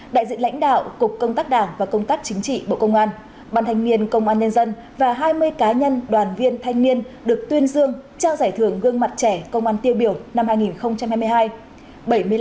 đại diện lãnh đạo cục công tác đảng và công tác chính trị bộ công an ban thanh niên công an nhân dân và hai mươi cá nhân đoàn viên thanh niên được tuyên dương trao giải thưởng gương mặt trẻ công an tiêu biểu năm hai nghìn hai mươi hai